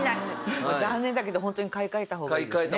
残念だけどホントに買い替えた方がいいですね。